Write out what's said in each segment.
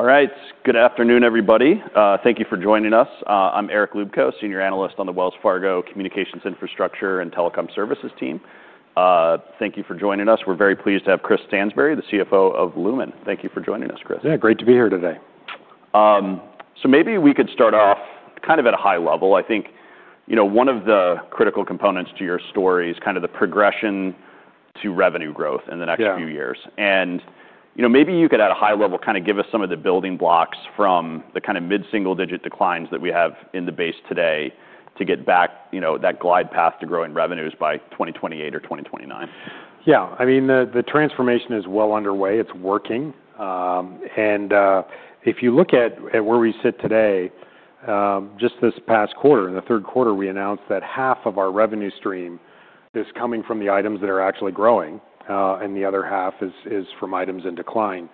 All right. Good afternoon, everybody. Thank you for joining us. I'm Eric Lubko, Senior Analyst on the Wells Fargo Communications Infrastructure and Telecom Services team. Thank you for joining us. We're very pleased to have Chris Stansbury, the CFO of Lumen. Thank you for joining us, Chris. Yeah. Great to be here today. Maybe we could start off kind of at a high level. I think, you know, one of the critical components to your story is kind of the progression to revenue growth in the next few years. You know, maybe you could, at a high level, kind of give us some of the building blocks from the kind of mid-single-digit declines that we have in the base today to get back, you know, that glide path to growing revenues by 2028 or 2029. Yeah. I mean, the transformation is well underway. It's working. If you look at where we sit today, just this past quarter, in the third quarter, we announced that half of our revenue stream is coming from the items that are actually growing, and the other half is from items in decline.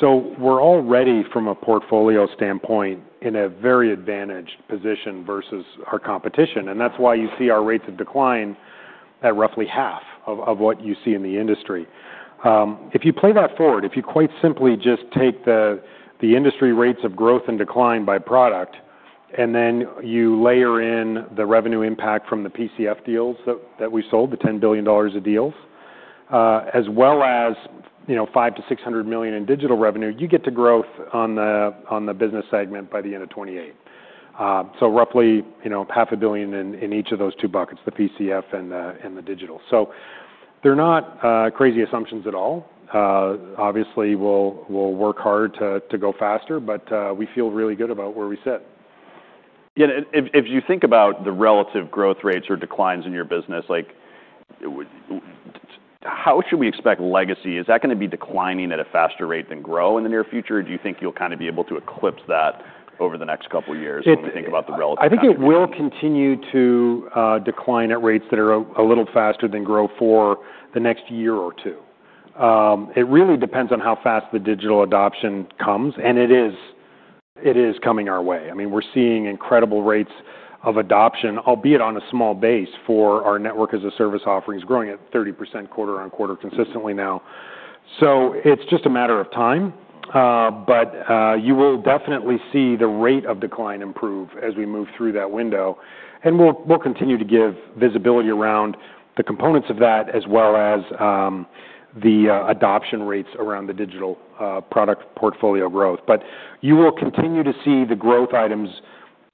We're already, from a portfolio standpoint, in a very advantaged position versus our competition. That's why you see our rates of decline at roughly half of what you see in the industry. If you play that forward, if you quite simply just take the industry rates of growth and decline by product, and then you layer in the revenue impact from the PCF deals that we sold, the $10 billion of deals, as well as, you know, $500 million-$600 million in digital revenue, you get to growth on the business segment by the end of 2028. So roughly, you know, $500 million in each of those two buckets, the PCF and the digital. So they're not crazy assumptions at all. Obviously, we'll work hard to go faster, but we feel really good about where we sit. Yeah. If you think about the relative growth rates or declines in your business, like, how should we expect legacy? Is that gonna be declining at a faster rate than grow in the near future, or do you think you'll kind of be able to eclipse that over the next couple of years when you think about the relative growth? I think it will continue to decline at rates that are a little faster than grow for the next year or two. It really depends on how fast the digital adoption comes, and it is coming our way. I mean, we're seeing incredible rates of adoption, albeit on a small base, for our network-as-a-service offerings growing at 30% quarter-on-quarter consistently now. It is just a matter of time. You will definitely see the rate of decline improve as we move through that window. We will continue to give visibility around the components of that as well as the adoption rates around the digital product portfolio growth. You will continue to see the growth items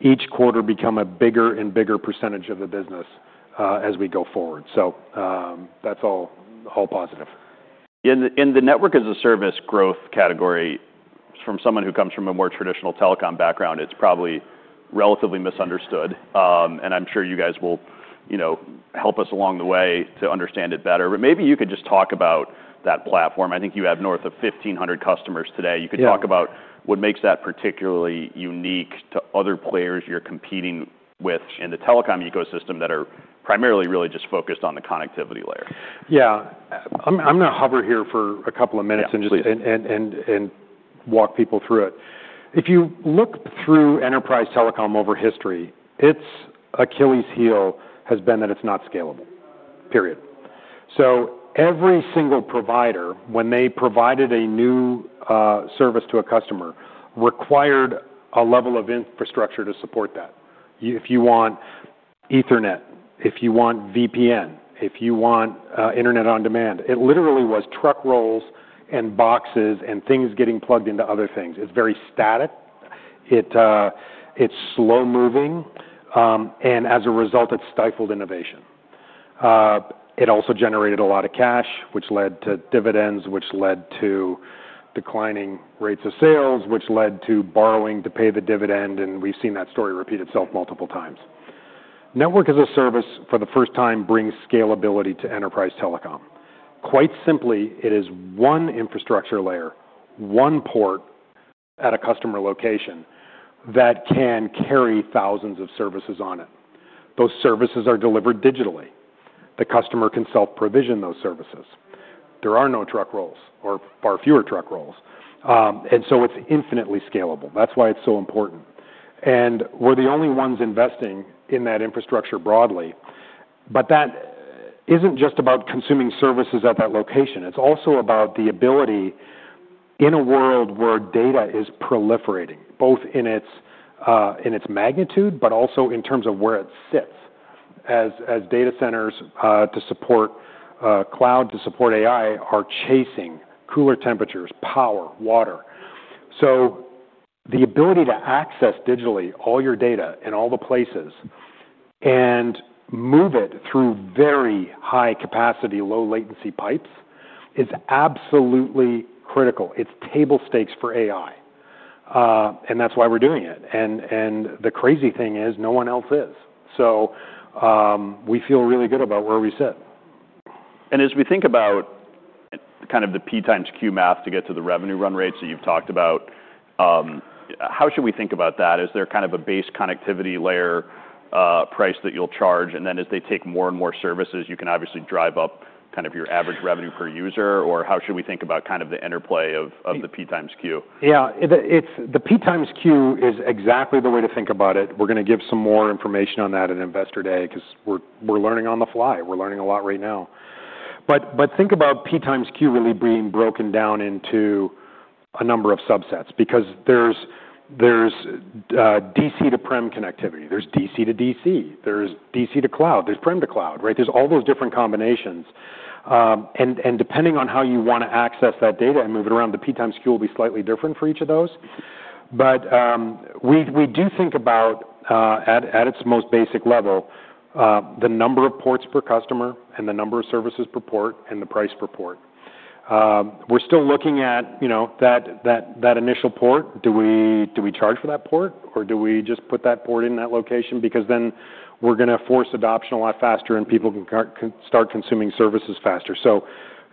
each quarter become a bigger and bigger percentage of the business as we go forward. That is all positive. In the network-as-a-service growth category, from someone who comes from a more traditional telecom background, it's probably relatively misunderstood. I'm sure you guys will, you know, help us along the way to understand it better. Maybe you could just talk about that platform. I think you have north of 1,500 customers today. You could talk about what makes that particularly unique to other players you're competing with in the telecom ecosystem that are primarily really just focused on the connectivity layer. Yeah. I'm gonna hover here for a couple of minutes and just. Walk people through it. If you look through enterprise telecom over history, its Achilles heel has been that it's not scalable, period. Every single provider, when they provided a new service to a customer, required a level of infrastructure to support that. If you want Ethernet, if you want VPN, if you want Internet on Demand, it literally was truck rolls and boxes and things getting plugged into other things. It's very static. It's slow-moving, and as a result, it stifled innovation. It also generated a lot of cash, which led to dividends, which led to declining rates of sales, which led to borrowing to pay the dividend. We've seen that story repeat itself multiple times. Network-as-a-Service, for the first time, brings scalability to enterprise telecom. Quite simply, it is one infrastructure layer, one port at a customer location that can carry thousands of services on it. Those services are delivered digitally. The customer can self-provision those services. There are no truck rolls or far fewer truck rolls, and so it's infinitely scalable. That's why it's so important. We're the only ones investing in that infrastructure broadly. That isn't just about consuming services at that location. It's also about the ability, in a world where data is proliferating, both in its magnitude, but also in terms of where it sits, as data centers, to support cloud, to support AI, are chasing cooler temperatures, power, water. The ability to access digitally all your data in all the places and move it through very high-capacity, low-latency pipes is absolutely critical. It's table stakes for AI, and that's why we're doing it. The crazy thing is no one else is. We feel really good about where we sit. As we think about kind of the P times Q math to get to the revenue run rates that you've talked about, how should we think about that? Is there kind of a base connectivity layer, price that you'll charge? And then as they take more and more services, you can obviously drive up kind of your average revenue per user? How should we think about kind of the interplay of, of the P times Q? Yeah. It's the P times Q is exactly the way to think about it. We're gonna give some more information on that at Investor Day 'cause we're learning on the fly. We're learning a lot right now. Think about P times Q really being broken down into a number of subsets because there's DC to PREM connectivity. There's DC to DC. There's DC to cloud. There's PREM to cloud, right? There's all those different combinations. Depending on how you wanna access that data and move it around, the P times Q will be slightly different for each of those. We do think about, at its most basic level, the number of ports per customer and the number of services per port and the price per port. We're still looking at, you know, that initial port. Do we charge for that port, or do we just put that port in that location? Because then we're gonna force adoption a lot faster and people can start consuming services faster. Still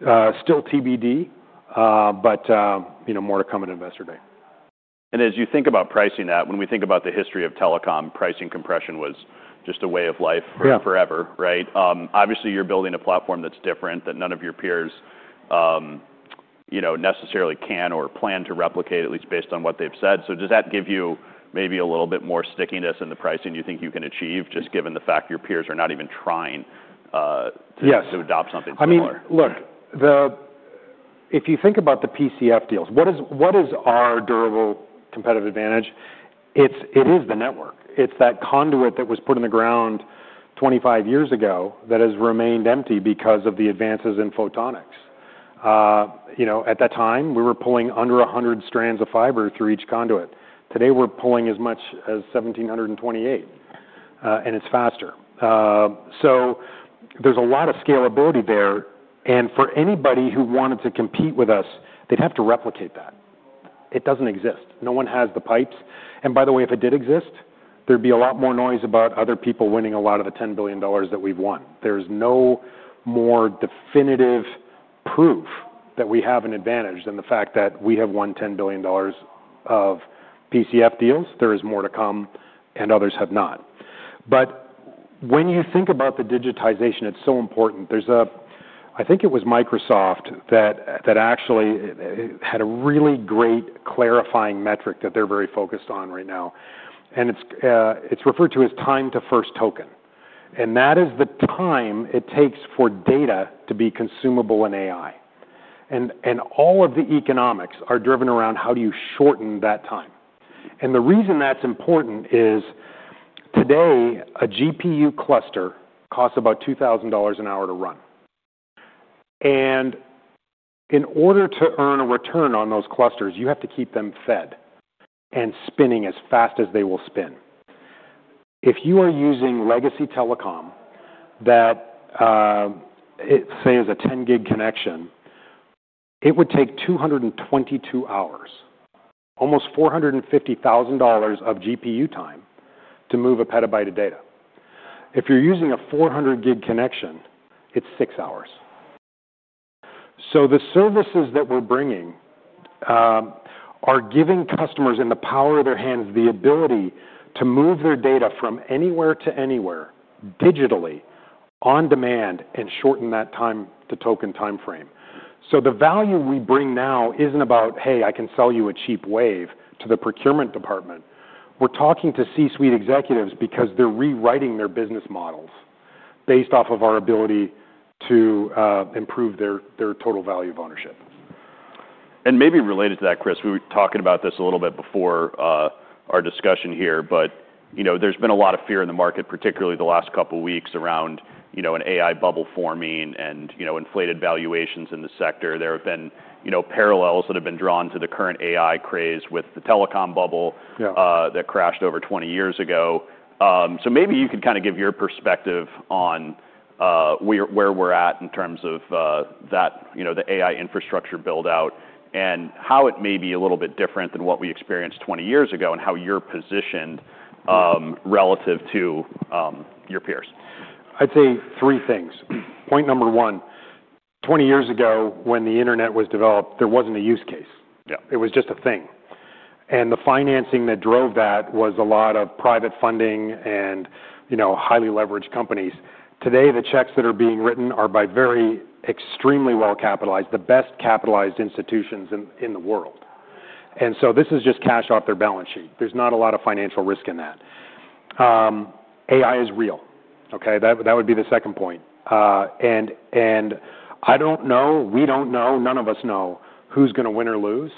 TBD, but, you know, more to come at Investor Day. As you think about pricing that, when we think about the history of telecom, pricing compression was just a way of life. Forever, right? Obviously, you're building a platform that's different that none of your peers, you know, necessarily can or plan to replicate, at least based on what they've said. Does that give you maybe a little bit more stickiness in the pricing you think you can achieve just given the fact your peers are not even trying to? Yes. To adopt something similar? I mean, look, if you think about the PCF deals, what is our durable competitive advantage? It's, it is the network. It's that conduit that was put in the ground 25 years ago that has remained empty because of the advances in photonics. You know, at that time, we were pulling under 100 strands of fiber through each conduit. Today, we're pulling as much as 1,728, and it's faster. There is a lot of scalability there. For anybody who wanted to compete with us, they'd have to replicate that. It doesn't exist. No one has the pipes. By the way, if it did exist, there would be a lot more noise about other people winning a lot of the $10 billion that we've won. There is no more definitive proof that we have an advantage than the fact that we have won $10 billion of PCF deals. There is more to come, and others have not. When you think about the digitization, it's so important. I think it was Microsoft that actually had a really great clarifying metric that they're very focused on right now. It's referred to as time to first token. That is the time it takes for data to be consumable in AI. All of the economics are driven around how do you shorten that time. The reason that's important is today, a GPU cluster costs about $2,000 an hour to run. In order to earn a return on those clusters, you have to keep them fed and spinning as fast as they will spin. If you are using legacy telecom that, say, is a 10 Gb connection, it would take 222 hours, almost $450,000 of GPU time to move a petabyte of data. If you're using a 400 Gb connection, it's 6 hours. The services that we're bringing are giving customers, in the power of their hands, the ability to move their data from anywhere to anywhere digitally on demand and shorten that time to token timeframe. The value we bring now isn't about, "Hey, I can sell you a cheap wave to the procurement department." We're talking to C-suite executives because they're rewriting their business models based off of our ability to improve their total value of ownership. Maybe related to that, Chris, we were talking about this a little bit before, our discussion here. You know, there's been a lot of fear in the market, particularly the last couple of weeks around, you know, an AI bubble forming and, you know, inflated valuations in the sector. There have been, you know, parallels that have been drawn to the current AI craze with the telecom bubble that crashed over 20 years ago. Maybe you could kind of give your perspective on where we're at in terms of that, you know, the AI infrastructure build-out and how it may be a little bit different than what we experienced 20 years ago and how you're positioned relative to your peers. I'd say three things. Point number one, 20 years ago, when the internet was developed, there wasn't a use case. It was just a thing. The financing that drove that was a lot of private funding and, you know, highly leveraged companies. Today, the checks that are being written are by very extremely well-capitalized, the best-capitalized institutions in the world. This is just cash off their balance sheet. There's not a lot of financial risk in that. AI is real, okay? That would be the second point. I don't know, we don't know, none of us know who's gonna win or lose.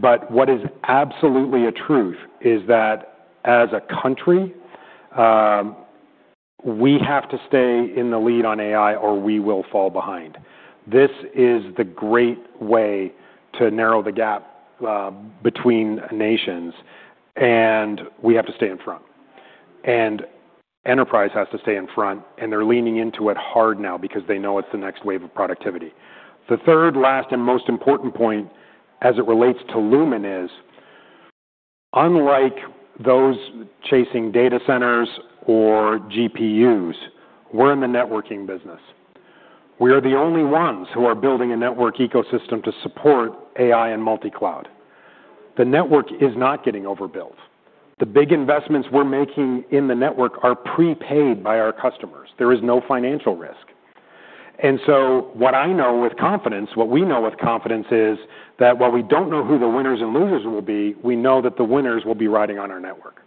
What is absolutely a truth is that as a country, we have to stay in the lead on AI or we will fall behind. This is the great way to narrow the gap between nations, and we have to stay in front. Enterprise has to stay in front, and they're leaning into it hard now because they know it's the next wave of productivity. The third, last, and most important point as it relates to Lumen is, unlike those chasing data centers or GPUs, we're in the networking business. We are the only ones who are building a network ecosystem to support AI and multi-cloud. The network is not getting overbuilt. The big investments we're making in the network are prepaid by our customers. There is no financial risk. What I know with confidence, what we know with confidence is that while we don't know who the winners and losers will be, we know that the winners will be riding on our network.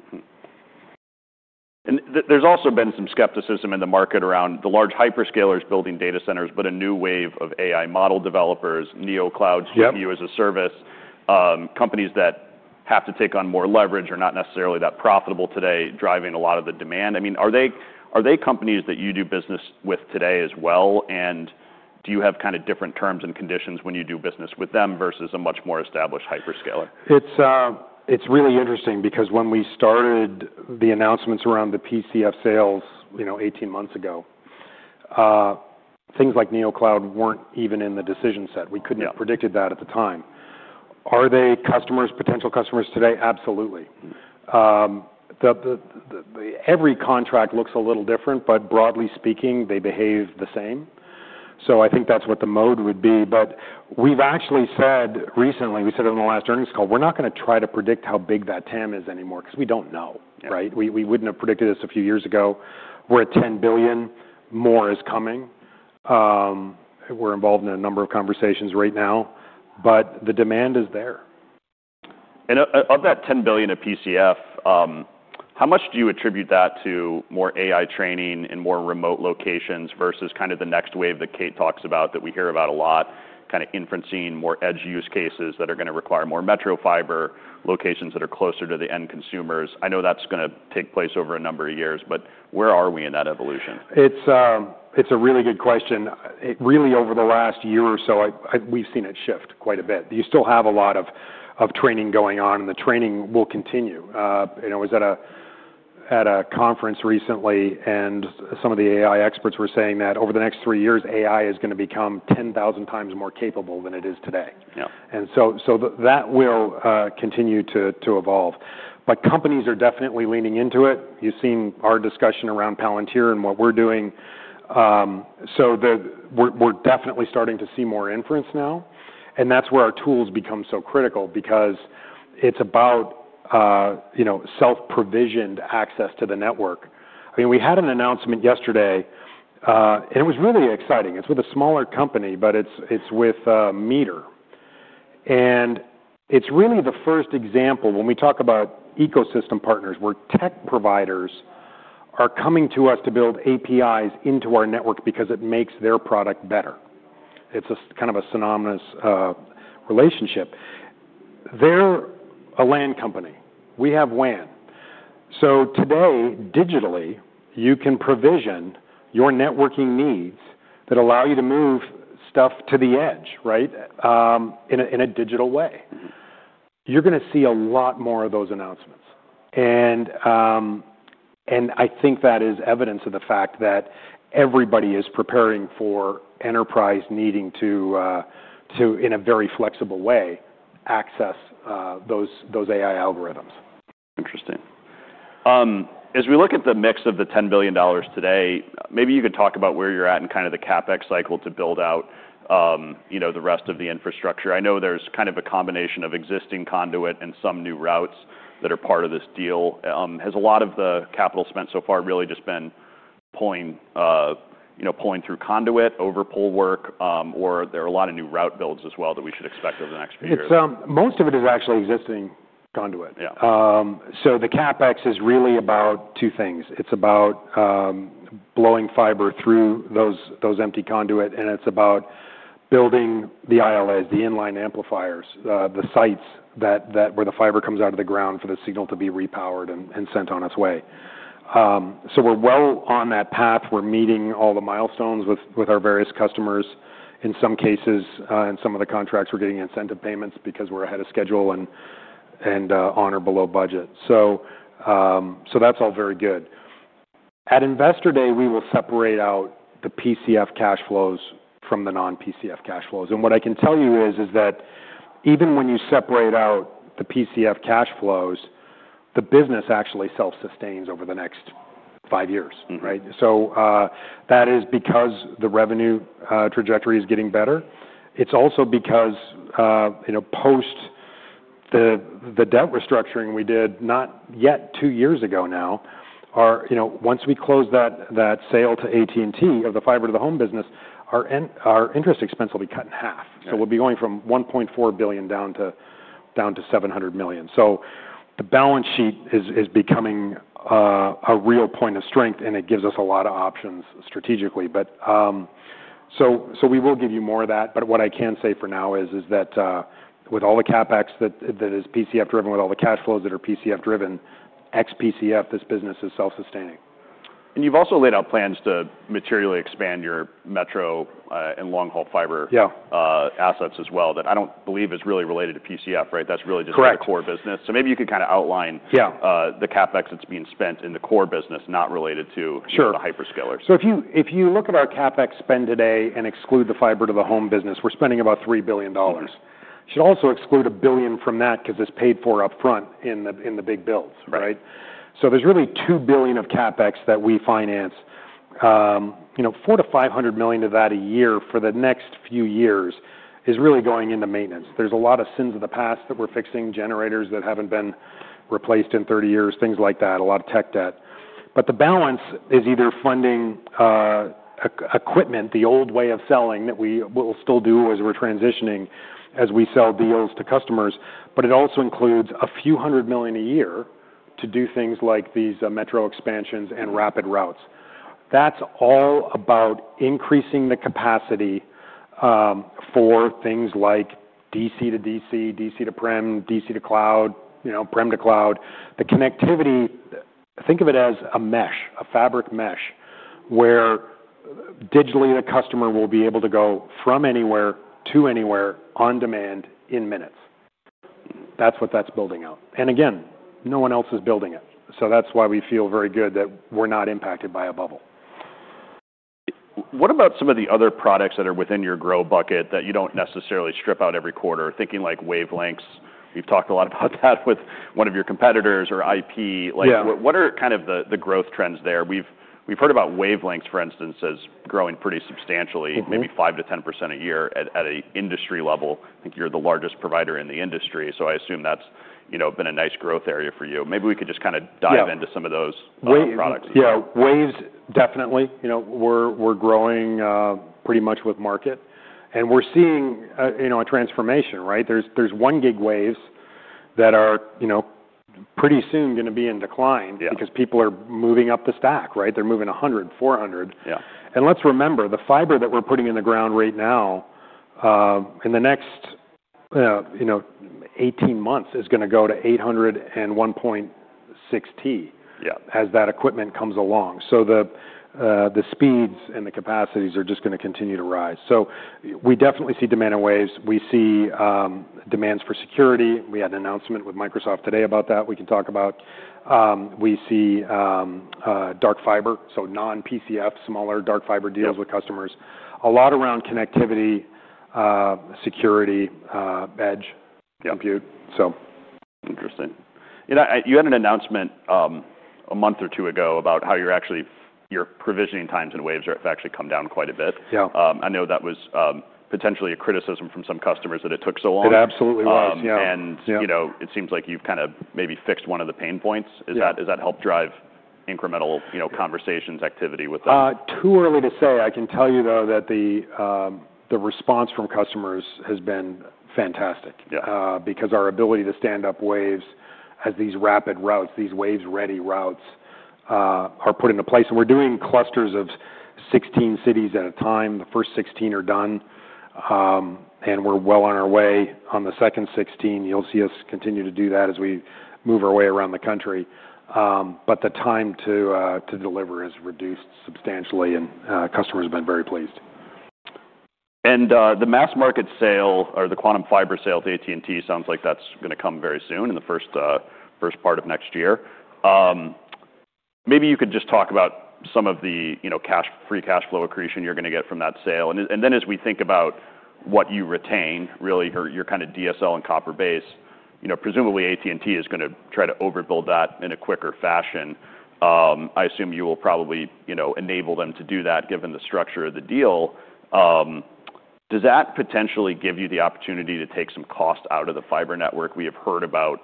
There has also been some skepticism in the market around the large hyperscalers building data centers, but a new wave of AI model developers, NeoCloud. GPU as a service, companies that have to take on more leverage are not necessarily that profitable today, driving a lot of the demand. I mean, are they companies that you do business with today as well? Do you have kind of different terms and conditions when you do business with them versus a much more established hyperscaler? It's really interesting because when we started the announcements around the PCF sales, you know, 18 months ago, things like NeoCloud weren't even in the decision set. We couldn't. Have predicted that at the time. Are they customers, potential customers today? Absolutely. Every contract looks a little different, but broadly speaking, they behave the same. I think that's what the mode would be. We've actually said recently, we said it in the last earnings call, we're not gonna try to predict how big that TAM is anymore 'cause we don't know. Right? We wouldn't have predicted this a few years ago. We're at $10 billion. More is coming. We're involved in a number of conversations right now, but the demand is there. Of that $10 billion of PCF, how much do you attribute that to more AI training and more remote locations versus kind of the next wave that Kate talks about that we hear about a lot, kind of inferencing, more edge use cases that are gonna require more metro fiber, locations that are closer to the end consumers? I know that's gonna take place over a number of years, but where are we in that evolution? It's a really good question. Really, over the last year or so, we've seen it shift quite a bit. You still have a lot of training going on, and the training will continue. You know, I was at a conference recently, and some of the AI experts were saying that over the next three years, AI is gonna become 10,000 times more capable than it is today. That will continue to evolve. Companies are definitely leaning into it. You've seen our discussion around Palantir and what we're doing. We're definitely starting to see more inference now. That's where our tools become so critical because it's about, you know, self-provisioned access to the network. I mean, we had an announcement yesterday, and it was really exciting. It's with a smaller company, but it's with Meter. It's really the first example when we talk about ecosystem partners where tech providers are coming to us to build APIs into our network because it makes their product better. It's a kind of a synonymous relationship. They're a LAN company. We have WAN. Today, digitally, you can provision your networking needs that allow you to move stuff to the edge, right, in a digital way. You're gonna see a lot more of those announcements. I think that is evidence of the fact that everybody is preparing for enterprise needing to, in a very flexible way, access those AI algorithms. Interesting. As we look at the mix of the $10 billion today, maybe you could talk about where you're at in kind of the CapEx cycle to build out, you know, the rest of the infrastructure. I know there's kind of a combination of existing conduit and some new routes that are part of this deal. Has a lot of the capital spent so far really just been pulling, you know, pulling through conduit over pull work, or are there a lot of new route builds as well that we should expect over the next few years? It's, most of it is actually existing conduit. The CapEx is really about two things. It's about blowing fiber through those empty conduit, and it's about building the ILAs, the inline amplifiers, the sites where the fiber comes out of the ground for the signal to be repowered and sent on its way. We're well on that path. We're meeting all the milestones with our various customers. In some cases, in some of the contracts, we're getting incentive payments because we're ahead of schedule and on or below budget. That's all very good. At Investor Day, we will separate out the PCF cash flows from the non-PCF cash flows. What I can tell you is that even when you separate out the PCF cash flows, the business actually self-sustains over the next five years. Right? That is because the revenue trajectory is getting better. It's also because, you know, post the debt restructuring we did not yet two years ago now, our, you know, once we close that sale to AT&T of the fiber to the home business, our interest expense will be cut in half. We will be going from $1.4 billion down to $700 million. The balance sheet is becoming a real point of strength, and it gives us a lot of options strategically. We will give you more of that. What I can say for now is that, with all the CapEx that is PCF-driven, with all the cash flows that are PCF-driven, ex-PCF, this business is self-sustaining. You have also laid out plans to materially expand your metro and long-haul fiber assets as well that I don't believe is really related to PCF, right? That's really just. Correct. The core business. Maybe you could kind of outline the CapEx that's being spent in the core business, not related to. Sure. The hyperscalers. If you look at our CapEx spend today and exclude the fiber to the home business, we're spending about $3 billion. You should also exclude a billion from that because it is paid for upfront in the, in the big builds. Right? So there's really $2 billion of CapEx that we finance. You know, $400 million-$500 million of that a year for the next few years is really going into maintenance. There's a lot of sins of the past that we're fixing, generators that haven't been replaced in 30 years, things like that, a lot of tech debt. The balance is either funding equipment, the old way of selling that we will still do as we're transitioning as we sell deals to customers, but it also includes a few hundred million a year to do things like these metro expansions and rapid routes. That's all about increasing the capacity, for things like DC to DC, DC to PREM, DC to cloud, you know, PREM to cloud. The connectivity, think of it as a mesh, a fabric mesh where digitally the customer will be able to go from anywhere to anywhere on demand in minutes. That is what that is building out. Again, no one else is building it. That is why we feel very good that we are not impacted by a bubble. What about some of the other products that are within your grow bucket that you do not necessarily strip out every quarter, thinking like wavelengths? You have talked a lot about that with one of your competitors or IP. Like, what are kind of the growth trends there? We've heard about wavelengths, for instance, as growing pretty substantially. Maybe 5%-10% a year at, at an industry level. I think you're the largest provider in the industry, so I assume that's, you know, been a nice growth area for you. Maybe we could just kind of dive into some of those. Waves. products. Yeah. Waves, definitely. You know, we're growing pretty much with market. And we're seeing, you know, a transformation, right? There's 1 Gb waves that are, you know, pretty soon gonna be in decline. Because people are moving up the stack, right? They're moving 100-400. Let's remember, the fiber that we're putting in the ground right now, in the next, you know, 18 months is gonna go to 800 and 1.6T. As that equipment comes along. The speeds and the capacities are just gonna continue to rise. We definitely see demand in waves. We see demands for security. We had an announcement with Microsoft today about that. We can talk about. We see dark fiber, so non-PCF, smaller dark fiber deals. With customers. A lot around connectivity, security, edge compute, so. Interesting. You know, you had an announcement a month or two ago about how your provisioning times in Waves have actually come down quite a bit. Yeah. I know that was potentially a criticism from some customers that it took so long. It absolutely was, yeah. And, you know, it seems like you've kind of maybe fixed one of the pain points. Is that, has that helped drive incremental, you know, conversations, activity with them? Too early to say. I can tell you though that the response from customers has been fantastic because our ability to stand up waves as these rapid routes, these waves-ready routes, are put into place. We're doing clusters of 16 cities at a time. The first 16 are done, and we're well on our way. On the second 16, you'll see us continue to do that as we move our way around the country. The time to deliver has reduced substantially, and customers have been very pleased. The mass market sale or the Quantum Fiber sale to AT&T sounds like that's gonna come very soon in the first part of next year. Maybe you could just talk about some of the, you know, cash free cash flow accretion you're gonna get from that sale. Then as we think about what you retain, really, your kind of DSL and copper base, you know, presumably AT&T is gonna try to overbuild that in a quicker fashion. I assume you will probably, you know, enable them to do that given the structure of the deal. Does that potentially give you the opportunity to take some cost out of the fiber network? We have heard about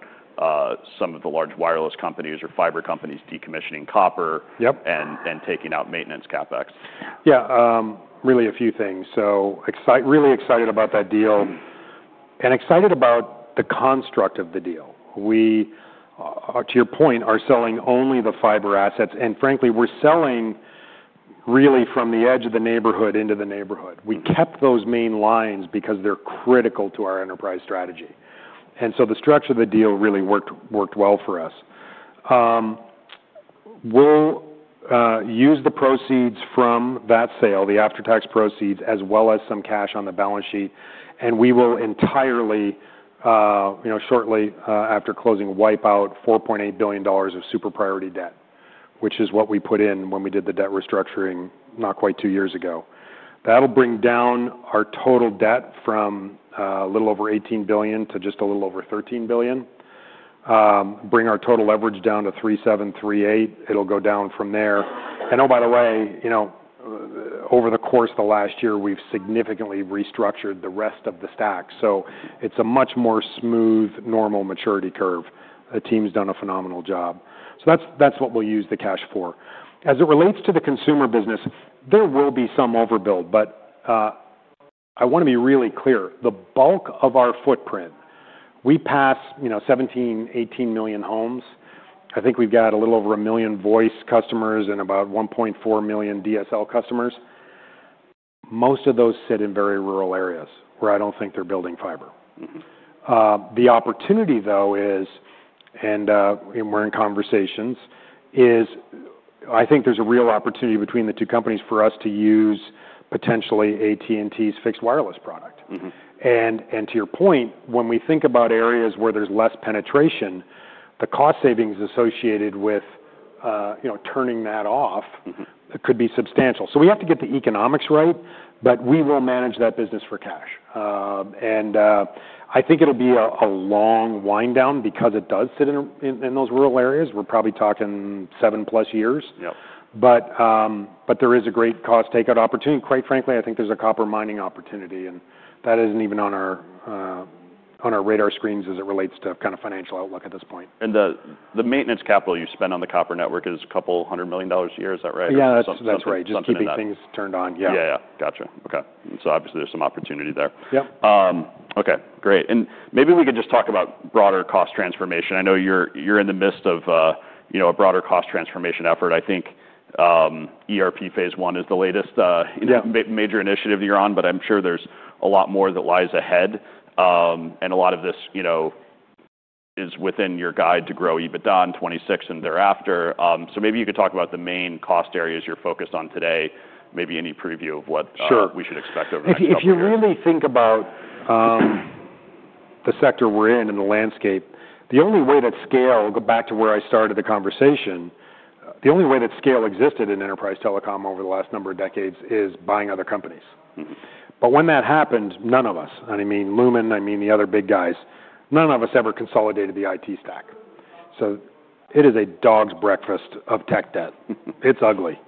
some of the large wireless companies or fiber companies decommissioning copper. Taking out maintenance CapEx. Yeah, really a few things. Really excited about that deal and excited about the construct of the deal. We, to your point, are selling only the fiber assets. And frankly, we're selling really from the edge of the neighborhood into the neighborhood. We kept those main lines because they're critical to our enterprise strategy. The structure of the deal really worked well for us. We'll use the proceeds from that sale, the after-tax proceeds, as well as some cash on the balance sheet. We will entirely, you know, shortly after closing, wipe out $4.8 billion of super priority debt, which is what we put in when we did the debt restructuring not quite two years ago. That will bring down our total debt from a little over $18 billion to just a little over $13 billion, bring our total leverage down to 3.738. It'll go down from there. Oh, by the way, you know, over the course of the last year, we've significantly restructured the rest of the stack. It is a much more smooth, normal maturity curve. The team's done a phenomenal job. That's what we'll use the cash for. As it relates to the consumer business, there will be some overbuild, but I wanna be really clear. The bulk of our footprint, we pass, you know, 17-18 million homes. I think we've got a little over a million voice customers and about 1.4 million DSL customers. Most of those sit in very rural areas where I don't think they're building fiber. The opportunity though is, and we're in conversations, is I think there's a real opportunity between the two companies for us to use potentially AT&T's fixed wireless product. To your point, when we think about areas where there's less penetration, the cost savings associated with, you know, turning that off. Could be substantial. We have to get the economics right, but we will manage that business for cash. I think it'll be a long wind down because it does sit in those rural areas. We're probably talking seven-plus years. There is a great cost takeout opportunity. Quite frankly, I think there's a copper mining opportunity, and that isn't even on our radar screens as it relates to kind of financial outlook at this point. The maintenance capital you spend on the copper network is a couple hundred million dollars a year, is that right? Yeah, that's right. Just keeping. Just keeping things turned on, yeah. Yeah. Yeah. Gotcha. Okay. There is some opportunity there. Okay. Great. Maybe we could just talk about broader cost transformation. I know you're in the midst of, you know, a broader cost transformation effort. I think ERP phase one is the latest major initiative you're on, but I'm sure there's a lot more that lies ahead. A lot of this, you know, is within your guide to grow EBITDA in 2026 and thereafter. Maybe you could talk about the main cost areas you're focused on today, maybe any preview of what we should expect over the next couple of years. Sure. If you really think about the sector we're in and the landscape, the only way that scale, we'll go back to where I started the conversation. The only way that scale existed in enterprise telecom over the last number of decades is buying other companies. When that happened, none of us, and I mean Lumen, I mean the other big guys, none of us ever consolidated the IT stack. So it is a dog's breakfast of tech debt. It's ugly.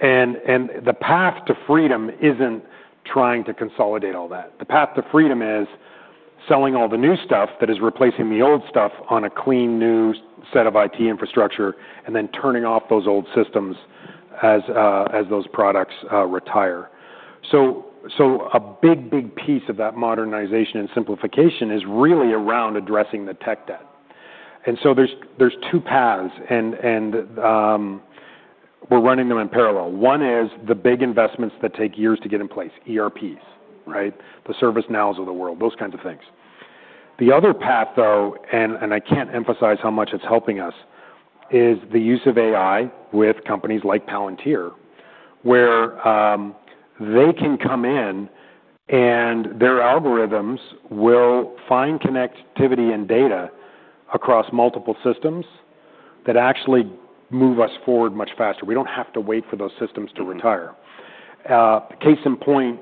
The path to freedom isn't trying to consolidate all that. The path to freedom is selling all the new stuff that is replacing the old stuff on a clean new set of IT infrastructure and then turning off those old systems as those products retire. A big, big piece of that modernization and simplification is really around addressing the tech debt. There are two paths, and we're running them in parallel. One is the big investments that take years to get in place, ERPs, right? The ServiceNows of the world, those kinds of things. The other path though, and I can't emphasize how much it's helping us, is the use of AI with companies like Palantir, where they can come in and their algorithms will find connectivity and data across multiple systems that actually move us forward much faster. We don't have to wait for those systems to retire. Case in point,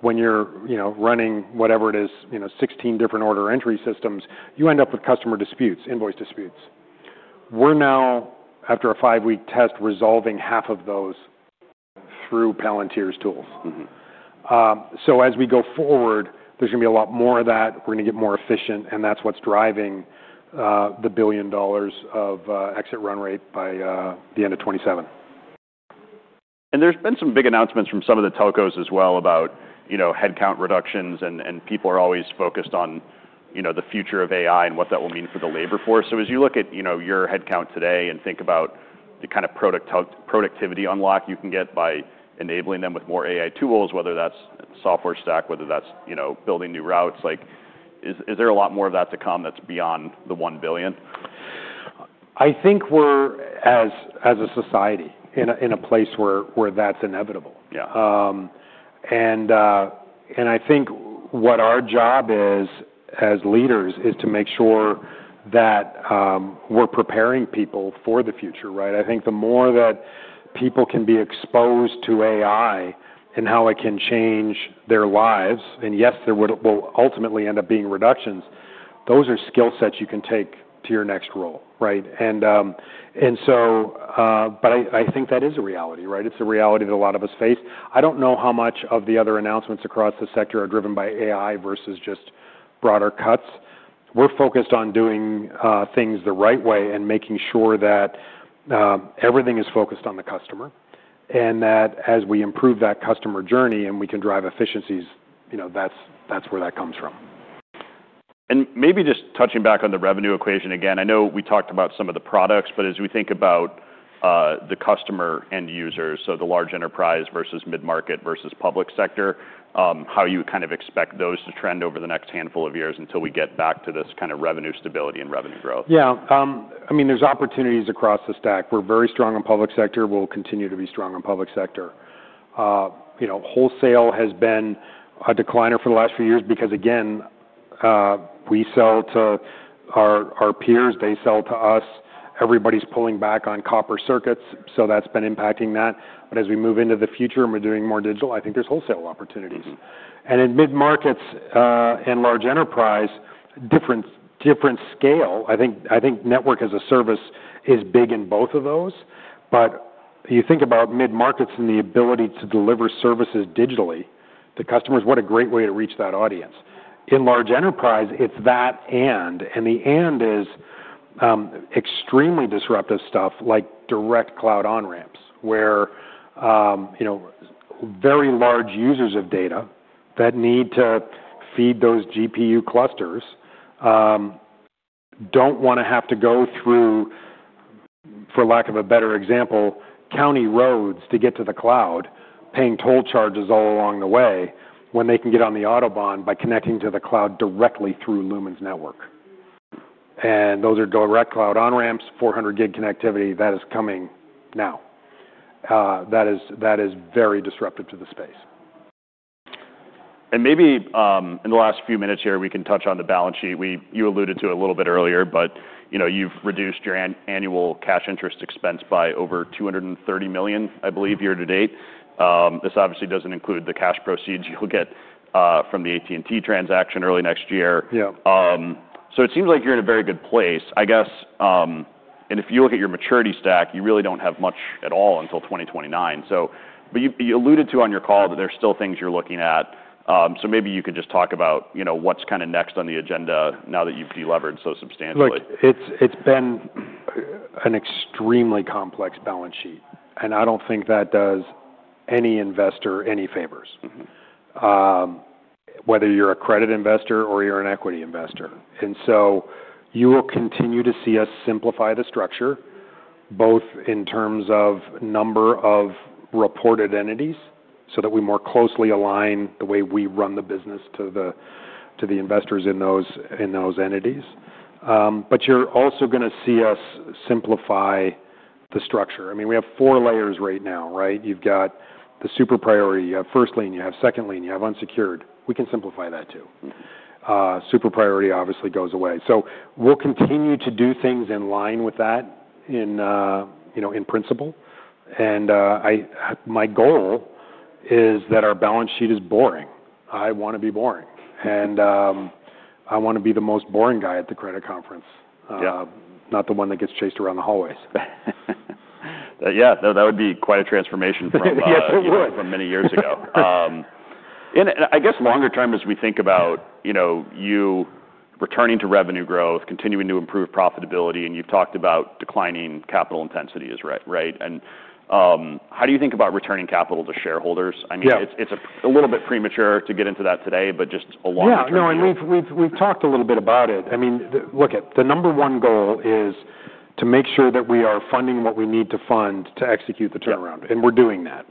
when you're, you know, running whatever it is, you know, 16 different order entry systems, you end up with customer disputes, invoice disputes. We're now, after a five-week test, resolving half of those through Palantir's tools. As we go forward, there's gonna be a lot more of that. We're gonna get more efficient, and that's what's driving the $1 billion of exit run rate by the end of 2027. There have been some big announcements from some of the telcos as well about, you know, headcount reductions, and people are always focused on, you know, the future of AI and what that will mean for the labor force. As you look at, you know, your headcount today and think about the kind of productivity unlock you can get by enabling them with more AI tools, whether that's software stack, whether that's, you know, building new routes, like, is there a lot more of that to come that's beyond the $1 billion? I think we're, as a society, in a place where that's inevitable. I think what our job is as leaders is to make sure that we're preparing people for the future, right? I think the more that people can be exposed to AI and how it can change their lives, and yes, there will ultimately end up being reductions, those are skill sets you can take to your next role, right? I think that is a reality, right? It's a reality that a lot of us face. I don't know how much of the other announcements across the sector are driven by AI versus just broader cuts. We're focused on doing things the right way and making sure that everything is focused on the customer and that as we improve that customer journey and we can drive efficiencies, you know, that's where that comes from. Maybe just touching back on the revenue equation again, I know we talked about some of the products, but as we think about the customer end users, so the large enterprise versus mid-market versus public sector, how you kind of expect those to trend over the next handful of years until we get back to this kind of revenue stability and revenue growth. Yeah. I mean, there's opportunities across the stack. We're very strong in public sector. We'll continue to be strong in public sector. You know, wholesale has been a decliner for the last few years because, again, we sell to our peers, they sell to us. Everybody's pulling back on copper circuits, so that's been impacting that. As we move into the future and we're doing more digital, I think there's wholesale opportunities. In mid-markets, and large enterprise, different, different scale. I think, I think network as a service is big in both of those. You think about mid-markets and the ability to deliver services digitally to customers, what a great way to reach that audience. In large enterprise, it's that and, and the and is, extremely disruptive stuff like direct cloud on-ramps where, you know, very large users of data that need to feed those GPU clusters, do not want to have to go through, for lack of a better example, county roads to get to the cloud, paying toll charges all along the way when they can get on the autobahn by connecting to the cloud directly through Lumen's network. Those are direct cloud on-ramps, 400 Gb connectivity that is coming now. That is, that is very disruptive to the space. Maybe, in the last few minutes here, we can touch on the balance sheet. You alluded to it a little bit earlier, but, you know, you've reduced your annual cash interest expense by over $230 million, I believe, year to date. This obviously doesn't include the cash proceeds you'll get from the AT&T transaction early next year. It seems like you're in a very good place. I guess, and if you look at your maturity stack, you really don't have much at all until 2029. You alluded to on your call that there's still things you're looking at. Maybe you could just talk about, you know, what's kind of next on the agenda now that you've deleveraged so substantially. Look, it's been an extremely complex balance sheet, and I don't think that does any investor any favors. Whether you're a credit investor or you're an equity investor. You will continue to see us simplify the structure both in terms of number of reported entities so that we more closely align the way we run the business to the investors in those entities. You're also gonna see us simplify the structure. I mean, we have four layers right now, right? You've got the super priority, you have first lien, you have second lien, you have unsecured. We can simplify that too. Super priority obviously goes away. We'll continue to do things in line with that in, you know, in principle. I, my goal is that our balance sheet is boring. I wanna be boring. I wanna be the most boring guy at the credit conference not the one that gets chased around the hallways. Yeah. No, that would be quite a transformation from, Yes, it would. From many years ago, and I guess longer term as we think about, you know, you returning to revenue growth, continuing to improve profitability, and you've talked about declining capital intensity is right, right? And how do you think about returning capital to shareholders? I mean. It's a little bit premature to get into that today, but just along the trajectory. Yeah. No, and we've talked a little bit about it. I mean, the look at the number one goal is to make sure that we are funding what we need to fund to execute the turnaround. We're doing that.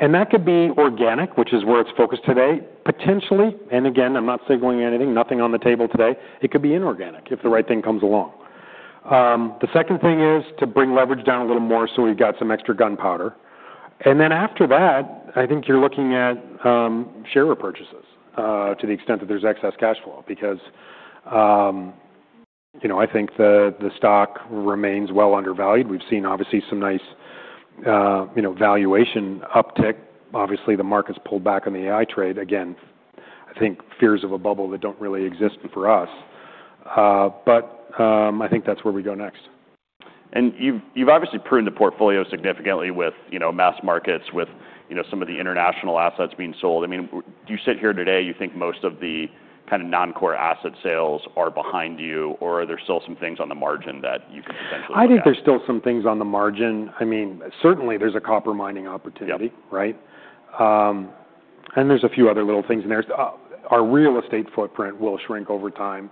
That could be organic, which is where it's focused today, potentially. I'm not signaling anything, nothing on the table today. It could be inorganic if the right thing comes along. The second thing is to bring leverage down a little more so we've got some extra gunpowder. After that, I think you're looking at share repurchases, to the extent that there's excess cash flow because, you know, I think the stock remains well undervalued. We've seen obviously some nice, you know, valuation uptick. Obviously, the market's pulled back on the AI trade. I think fears of a bubble that don't really exist for us. I think that's where we go next. You've obviously pruned the portfolio significantly with, you know, mass markets, with, you know, some of the international assets being sold. I mean, do you sit here today, you think most of the kind of non-core asset sales are behind you, or are there still some things on the margin that you can potentially buy? I think there's still some things on the margin. I mean, certainly there's a copper mining opportunity. Right? And there's a few other little things in there. Our real estate footprint will shrink over time.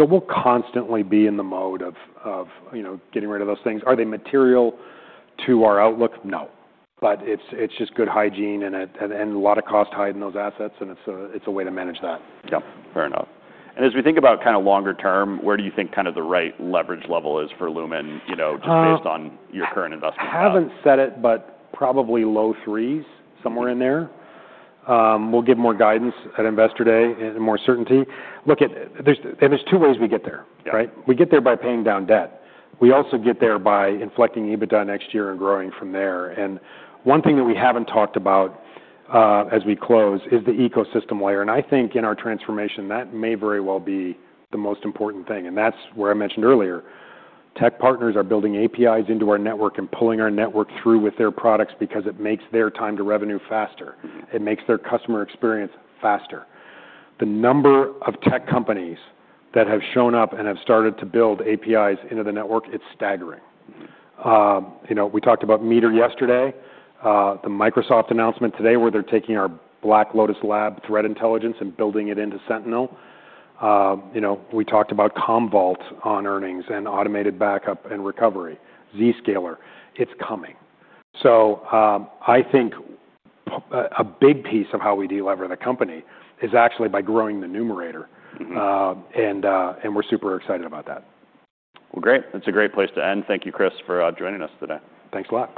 We will constantly be in the mode of, you know, getting rid of those things. Are they material to our outlook? No. But it is just good hygiene and a lot of cost hide in those assets, and it is a way to manage that. Yeah. Fair enough. As we think about kind of longer term, where do you think kind of the right leverage level is for Lumen, you know, just based on your current investment? I haven't said it, but probably low threes, somewhere in there. We'll give more guidance at investor day and more certainty. Look, there's two ways we get there. Right? We get there by paying down debt. We also get there by inflecting EBITDA next year and growing from there. One thing that we haven't talked about, as we close, is the ecosystem layer. I think in our transformation, that may very well be the most important thing. That's where I mentioned earlier, tech partners are building APIs into our network and pulling our network through with their products because it makes their time to revenue faster. It makes their customer experience faster. The number of tech companies that have shown up and have started to build APIs into the network, it's staggering. You know, we talked about Meter yesterday, the Microsoft announcement today where they're taking our Black Lotus Lab threat intelligence and building it into Sentinel. You know, we talked about Commvault on earnings and automated backup and recovery, Zscaler. It's coming. I think a big piece of how we delever the company is actually by growing the numerator. We're super excited about that. That's a great place to end. Thank you, Chris, for joining us today. Thanks a lot.